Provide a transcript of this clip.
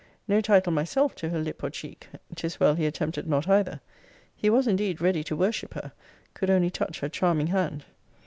No title myself, to her lip or cheek, 'tis well he attempted not either. He was indeed ready to worship her; could only touch her charming hand.